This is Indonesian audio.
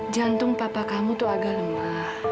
jantung papa kamu tuh agak lemah